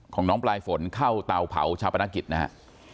ของน้องปลายฝนเข้าเตาเผาชาปนกิจนะฮะ